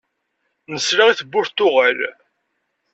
Nesla i tewwurt tuɣal.